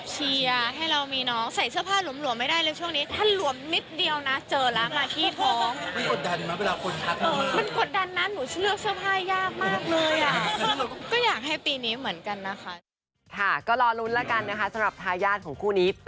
เอายังได้น้องทุกคน